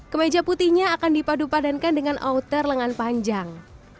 kemeja putihnya akan dipadupadankan dengan outer lengan panjang